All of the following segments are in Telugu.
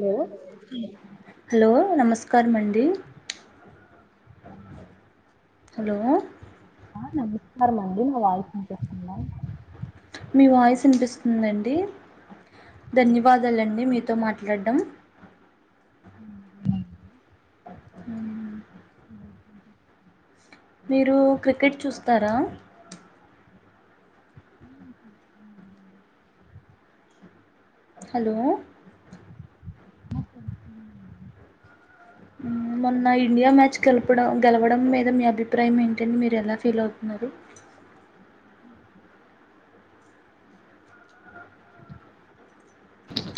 లేద హలో నమస్కారం అండి అ హలో నమస్కారం అండి నా వాయిస్ వినిపిస్తుందా మీ వాయిస్ వినిపిస్తుందండి ధన్యవాదాలండి మీతో మాట్లాడడం అ [inaudible] మీరు క్రికెట్ చూస్తారా ఆ చూస్తానండి హలో మొన్న ఇండియా మ్యాచ్ గెలపడం గెలవడం మీద మీ అభిప్రాయం ఏంటండి మీరు ఎలా ఫీల్ అవుతున్నారు అ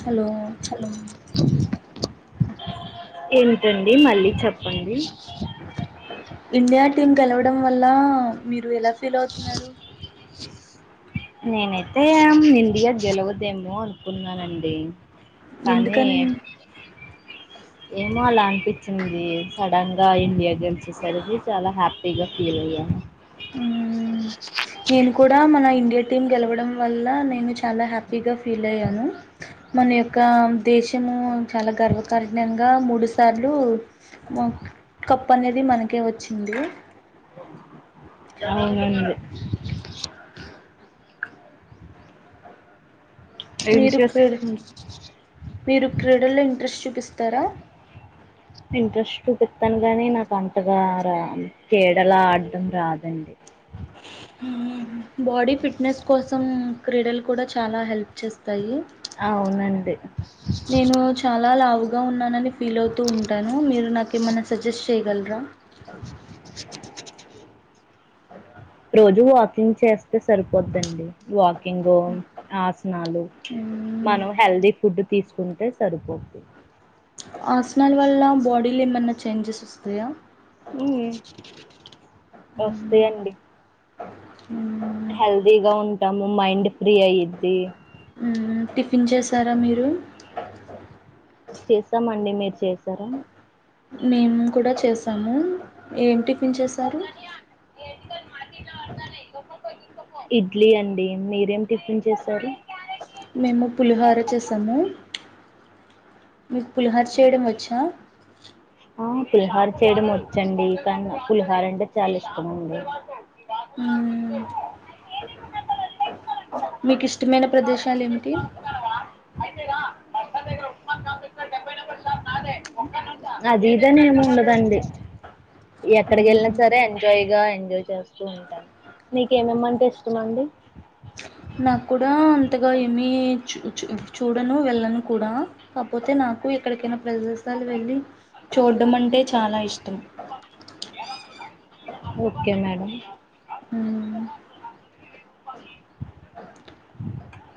హలో హలో ఏంటండి మళ్ళీ చెప్పండి ఇండియా టీమ్ గెలవడం వల్ల మీరు ఎలా పిలవుతున్నారు నేనైతే ఇండియా గెలవదేమో అనుకున్నానండి కానీ ఎందుకని ఏమో అలా అనిపించింది సడన్ గా ఇండియా గెలిచేసరికి చాలా హ్యాపీగా ఫీల్ అయ్యాను మ్మ్ నేను కూడా మన ఇండియా టీమ్ గెలవడం వల్ల నేను చాలా హ్యాపీగా ఫీల్ అయ్యాను మన యొక్క దేశము చాలా గర్వకారీణంగా మూడు సార్లు కప్ అనేది మనకే వచ్చింది అవునండి ఏం మీరు క్రీ చేస్తాను మీరు క్రీడల్లో ఇంట్రెస్ట్ చూపిస్త త్తర ఇంట్రెస్ట్ చూపిత్తాను కాని నాకు అంటగా రా క్రీడలా ఆడడం రాదండి మ్మ్ బాడీ ఫిట్నెస్ కోసం క్రీడలు కూడా చాలా హెల్ప్ చేస్తాయి అవునండి బగా ఉన్నానని ఫీల్ అవుతూ ఉంటాను మీరు నాకేమైన్నా సజెస్ట్ చేయగలరా అద రోజు వాకింగ్ చేస్ తే సరిపోద్దండి వాకింగ్ ఆసనాలు మ్మ్. మనం హెల్దీ ఫుడ్ తీసుకుంటే సరిపోద్ది ఆసనాలు వల్ల బాడీలు ఏమన్నా చేంజెస్ వస్తాయా మ్మ్ వస్తే అండి అ హెల్దీగా ఉంటాము మైండ్ ఫ్రీ అయ్యిద్ది మ్మ్ టిఫిన్ చేసారా మీరు చేసమండి మీరు చేసారా మేము కూడా చేసాము ఏంటి పించేశారు ఇడ్లీ అండి మీరేమి టిఫిన్ చేస్తారు మేము పులిహోర చేసాము మీకు పులిహోర చేయడం వచ్చా ఆ పులిహార చేయడం వచ్చండి కానీ పులిహార్ అంటే చాలా ఇష్టమండి మ్మ్ మీకు ఇష్టమైన ప్రదేశ్ కాలిమిటీ మర్దగ ర ఒ బై నంబర్ సార్ నాద అదిదని ఏముండదండి ఎక్కడికి వెళ్ళినా మ్మ్. సరే ఎంజాయ్ గా ఎంజాయ్ చేస్తూ ఉంటాారు మీకేమి ఇమంట ఇస్తమండి నాకు కూడా అంతగా ఏమి చ చ చూడను వెళ్ళను కూడా కాకపోతే నాకు ఎక్కడికైనా ప్రదేశాలు వెళ్ళి చూడడం అంటే చాలా ఇష్టం ఓకే మేడం హమ్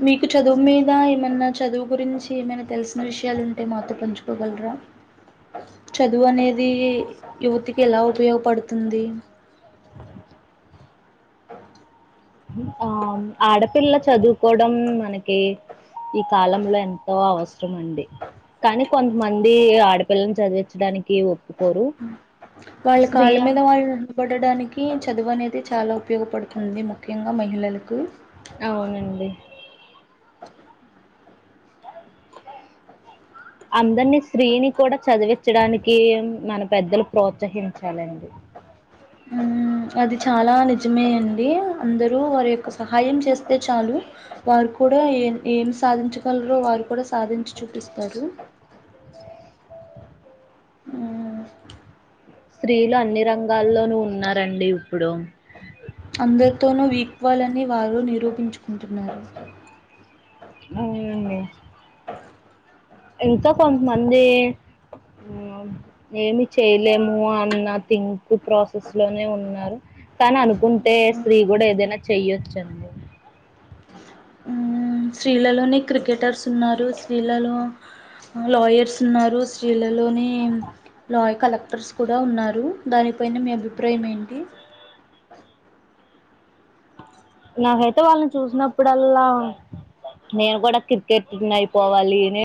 మీకు చదువు మీద ఏమైన్నా చదువు గురించి ఏమైనా తెలిసిన విషయాలు ఉంటే మాతో పంచుకోగలరా చదువు అనేది యువతికి ఎలా ఉపయోగపడుతుంది ఆ ఆడపిల్ల చదువుకోవడం మనకి ఈ కాలంలో ఎంతో అవసరం అండి కానీ కొంతమంది ఆడపిల్లని చదివించడానికి ఒప్పుకోరు వాళ్ళ స్త్రీ కాళ్ళ మీద అని వాళ్ళు ఉండబడి ఉండడానికి చదువు అనేది చాలా ఉపయోగపడుతుంది ముఖ్యంగా మహిళలకు అవునండి అందరినీ స్త్రీని కూడా చదివించడానికి మన పెద్దలు ప్రోత్సహించాలండి హ్మ్. అది చాలా నిజమే అండి అందరూ వారి యొక్క సహాయం చేస్త చాలు వారు కూడా ఏ ఏమి సాధించగలరో వారు కూడా సాధించి చూపిస్తారు అమ్ స్త్రీలు అన్ని రంగాల్లోనూ ఉన్నరండి ఇప్పుడు అందరితోనూ విక్వాలని వారు నిరూపించుకుంటున్నారు అవునండి ఇకా కొంతమంది ఏమి చేయలేము అన్న థింక్ ఎప్పుడు ఆ ప్రాసెస్ లోనే ఉన్నారు కాని అనుకుంటే స్త్రీ కూడా ఏదైనా చేయ్యొచు అండి ఉమే స్త్రీలలోనే క్రికెటర్స్ ఉన్నారు స్త్రీలలో లాయర్స్ ఉన్నారు స్త్రీల లోని లాయ కలెక్టర్స్ కూడా ఉన్నారు దానిపైన మీ అభిప్రాయం ఏంటి నాకైతే వాళ్ళని చూసినప్పుడల్లా నేను కూడా క్రికెటర్ నీ అయిపోవాలి నే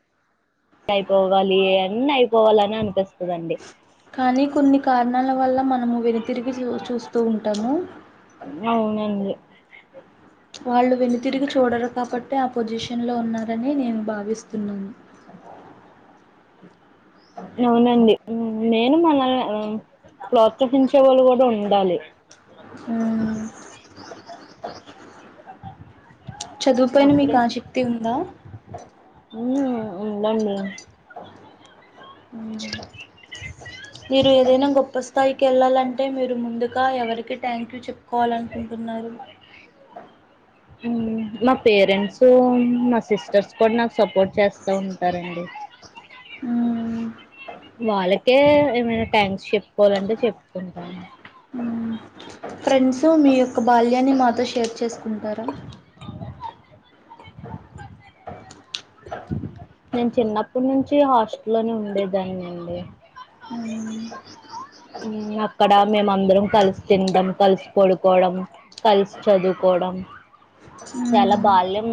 అయిపోవాలి అన్ని అయిపోవాల అని అనిపిస్తదండి కానీ కొన్ని కారణాల వల్ల మనము విరు తిరిగి చూ చూస్తూ ఉంటాము అవునండి వాళ్ళు వెను తరిగి చూడరు కాబట్టే ఆ పొజిషన్ లో ఉన్నారని నేను భావిస్తున్నాను అవునండి నేను మనల్ని ప్రోత్సహించే వాళ్ళు కూడా ఉండాలి ఉమ్ చదువు పాయినా మీకు అప్పుడే ఆసక్తి ఉందా ఉండదండి ఉమ్ మీరు ఏదైనా గొప్ప స్థాయి కెళ్ళాలంటే మీరు ముందుగా ఎవరికి థ్యాంక్ యూ చెప్పుకోవాలనుకుంటున్నారు ఉమ్ మా పేరెంట్స్ మా సిస్టర్స్ కూడా నాకు సపోర్ట్ చేస్తా ఉంటారండి అమ్ వాళ్ళకే ఏమైనా థ్యాంక్స్ చెప్పుకోవాలంటే చెప్పుకుంటాను. ఫ్రెండ్స్ మీ యొక్క బాల్యాన్ని మాతో షేర్ చేస్ ఉంటారా నేను చిన్నప్పటి నుంచి హాస్టల్ లోని ఉండేదాన్ని అండి. అక్కడ మేమ అందరం కలిసి తింటాం. కలిసి పడుకోవడం కలిసి చదువుకోవడం చాలా బాల్యం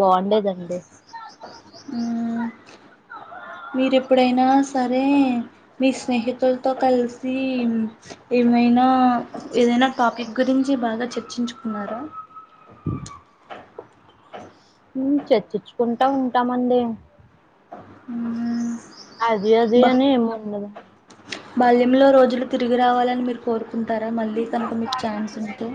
బాగుండేదండి. మ్మ్ మీరు ఎప్పుడైనా సరే మీ స్నేహితులతో కలిసి ఏమైనా ఏదైనా టాపిక్ గురించి బాగా చర్చించుకున్నారా. చర్చించుకుంటా ఉంటామండి. మ్మ్ అది అది బా అని ఏమ్ ఉండదు. బాల్యంలో రోజులు తిరిగి రావాలని మీరు కోరు కుంటారా మళ్ళీ కనుక మీకు ఛాన్స్ ఉంటే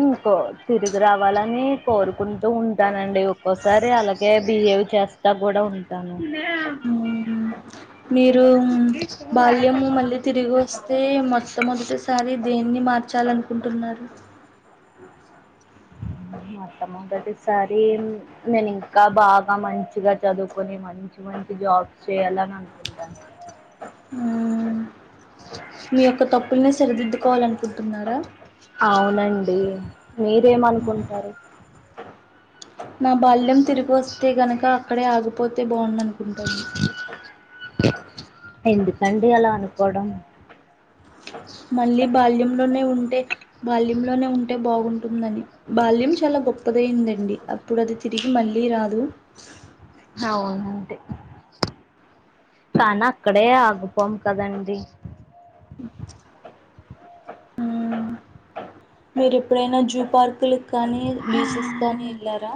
ఇంకో తిరిగి రావాలని కోరుకుంటూ ఉంటానండి. ఒక్కోసారి అలాగే బిహేవ్ చేస్తా కూడా ఉంటానండి. మ్మ్ మీరు బాల్యము మళ్ళీ తిరిగి వస్తే మొట్టమొదటిసారి దేన్ని మార్ చాలనుకుంటున్నారు. మొత్తము ఓకేటెసారి నేను ఇంకా బాగా మంచిగా చదువుకొని మంచి మంచి జాబ్స్ చేయాలని అనుకుంటాను. మ్మ్ మీ యొక్క తప్పుల్ని సరిదిద్దుకోవాలనుకుంటున్నారా అవునండి మీరేమనుకుంటారు. నా బాల్యం తిరిగి వస్తే గనక అక్కడే ఆగిపోతే బాగుంది అనుకుంటాను. ఎందుకండి అలా అనుకోవడం. మళ్ళీ బాల్యంలోనే ఉం అంటే బాల్యంలోనే ఉంటే బాగుంటుందని బాల్యం చాలా గొప్పదైందండి. అప్పుడు అది తిరిగి మళ్ళీ రాదు. అవునండి. కానీ అక్కడే ఆగిపోం కదండి. మీరు ఇప్పుడైనా జూ పార్క్ కానీ బీచెస్ కానీ వెళ్ళారా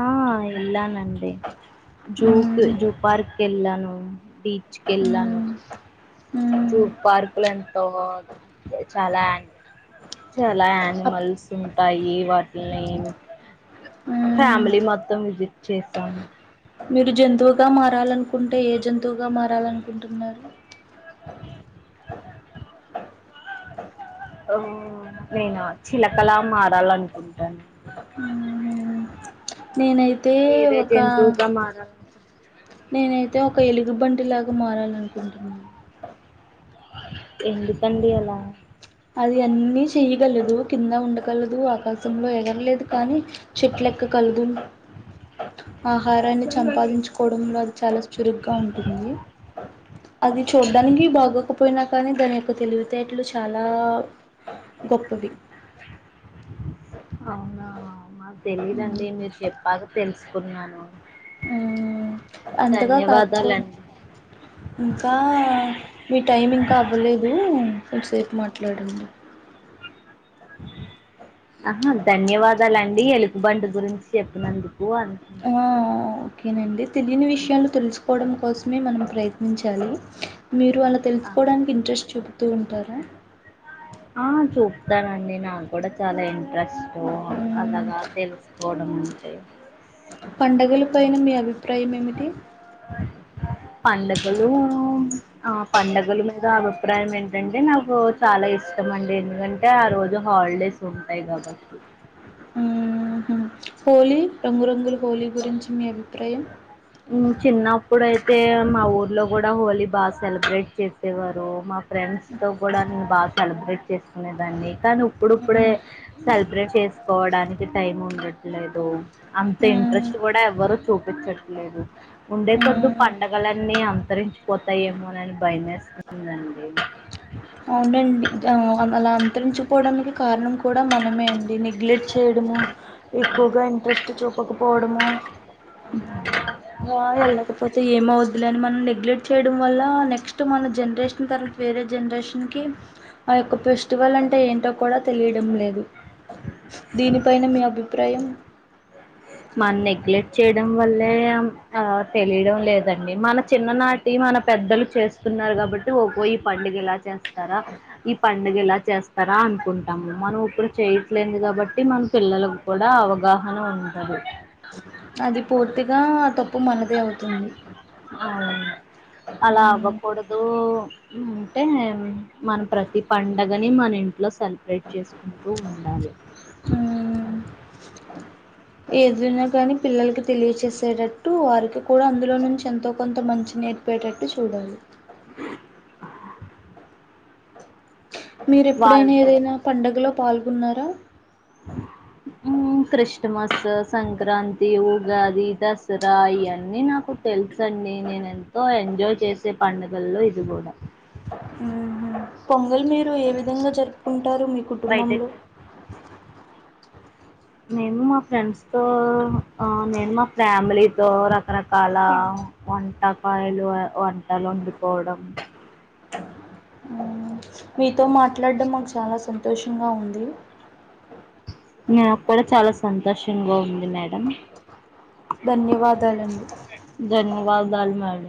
ఆ వెళ్ళానండి. జూ కి హ్మ్. జూ పార్క్ కెళ్ళాను, బీచ్ కి వెళ్ళాను. హ్మ్. జూ హ్మ్. పార్క్లు ఎంతో చాలా చాలా అప్ యానిమల్స్ ఉంటాయి. వాటిని హ్మ్. ఫ్యామిలీ మొత్తం విజిట్ చేసాము. మీరు జంతువుగా మారాలనుకుంటే ఏ జంతువుగా మారాలనుకుంటున్నారు. నేనా చిలకలా మారాలనుకుంటాను. హుహు. నేనైతే మీరే ఒక జంతువుగా మారాలనుకుంట నేనైతే ఒక ఎలుగుబంటిలాగా మారాలనుకుంటున్నాను. ఎందు కండీ అలా అది అన్నీ చెయ్యగలదు కింద ఉండగలదు. ఆకాశంలో ఎగరలేదు కానీ చెట్లు ఎక్కగలదు. ఆహారాన్ని సంపాదించుకోవడంలో అది చాలా చురుగ్గా ఉంటుంది. అది చూడడానికి బాగోకపోయినా కానీ దాని యొక్క తెలివి తేట్లు చాలా లా గొప్పవి. అవునా మాకు తెలీదండి మీరు చెప్పక తెలుసుకున్నాను అంతగా కాకపోదు ధన్యవాదాలండి ఇంకా మీ టైమి ఇంకా అవ్వలేదు కొంచసేపు మాట్లాడండి ఆ ధన్యవాదాలండి ఎలుగుబంట గురించి చెప్పినందుకు అంటున్నా ఓకేనండి తెలియని విషయాలు తెలుసుకోవడం కోసమే మనం ప్రయత్నించాలి మీరు అలా అవును తెలుసుకోవడానికి ఇంట్రెస్ట్ చెబుతూ ఉంటారా వస్తానండి నాకు కూడా చాలా ఇ ప్రష్టం మ్మ్ అలాగా తెలుసుకోవడం అంటే త ఏనా మీ అలు ప్రై ఎమిటి అ పండగ ఆ పంండగల మీద అభిప్రాయం ఏంటంటే నాకు చాలా ఇష్టం అండి ఎందుకంటే ఆ రోజు హాలిడేస్ ఉంటాయి కాబట్టి ఉ హోలీ రంగురంగులు బోలీ గురించి మీ అభిప్రాయం చిన్నప్పుడుయితే అయితే మా ఊర్లో కూడా హోలీ బాగా సెలబ్రేట్ చేసేవారు మా ఫ్రెండ్స్ తో కూడా నన్ను బాగా సెలబ్రేట్ దాన్ని కానీ ఇప్పుడుప్పుడే మ్మ్ సెలబ్రేట్ చేసుకోవడానికి టైం ఉండట్లేదు అంత మ్మ్ ఇంట్రెస్ట్ కూడా ఎవ్వరు చూపించచ్చ లే లేదు ఉండే కొద్దు మ్మ్ పండగలన్నీ అ అత్తరించిపోతాయేమో అనని భయేస్తుందండి అవునండి అలా అంతరించిుపోవడానికి కారణం కూడా మనమే అండి నిగ్లెక్ట్ చేయడము ఎక్కువగా ఇంట్రెస్ట్ చూపకపోవడ వెళ్ళకపోతే ఏమ ఇందులని మనం నెగ్లెట్యడం వల్ల నెక్స్ట్ మన జనరేషన్ తర్వాత వేరే జనరేషన్ క్యోక ఆ యొక్క ఫెస్టివల్ అంటే ఏంటో కూడా తెలియడం లేదు. దీనిపైన మీ అభిప్రాయం మనం నెగ్లెక్ట్ చేయడం వల్లే ఆమె ఆ తెలియడం లేదండి. మన చిన్ననాటి మన పెద్దలు చేస్తున్నారు. కాబట్టి ఓహో ఈ పండుగ ఎలా చేస్తారా ఈ పండుగ ఇలా చేస్తారా అనుకుంటాము. మనం ఇప్పుడు చేయట్లేదు కాబట్టి మన పిల్లలకు కూడా అవగాహన ఉండదు. అది పూర్తిగా [unintelligible] ఆ అలా అవ్వకూడదు. అంటే మన ప్రతి పండగని మన ఇం లో సెలబ్రేట్ చేసుకుంటూ ఉండాలి. ఏదైనా కానీ పిల్లలకి తెలియచేసేటట్టు వారికి కూడా అందులో నుంచి ఎంతో కొంత మంచి నేర్పేటట్టు చూడాలి. మీరు ఎప్పుడైనా వాళ్ళతో ఏదైనా పండుగలో పాల్గొన్నారా. హ్ క్రిస్ స్మస్ సంక్రాంతి ఉగాది దసరా ఇవన్నీ నాకు తెలుసు అండి. నేను ఎంతో ఎంజాయ్ చేసే పండుగల్లో ఇది కూడా హ్ హ్ పొంగల్ మీరు ఏ విధంగా జరుపుకుం టారు మీ కుటుంబంలో బయటెక్ మేము మా ఫ్రెండ్స్ తో ఆ నేను మా ఫ్యామిలీతో రకరకాల వంటకాయలు వంటలు వండుకోవడం. మీతో మాట్లాడం మాకు చాలా సంతోషంగా ఉంది. నాకు కూడా చాలా సంతోషంగా ఉంది. మేడం ధన్యవాదాలండి [unintelligible] వలు మేడం